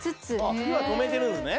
火は止めてるのね。